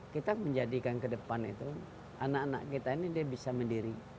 kita menjadikan ke depan itu anak anak kita ini dia bisa mendiri